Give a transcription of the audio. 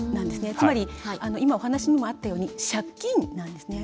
つまり今お話にもあったように借金なんですね。